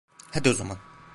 Hadi o zaman.